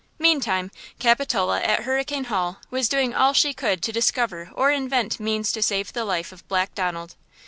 Meantime, Capitola, at Hurricane Hall, was doing all she could to discover or invent means to save the life of Black Donald.